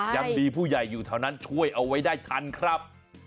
ยังดีผู้ใหญ่อยู่แถวนั้นช่วยเอาไว้ได้ทันครับ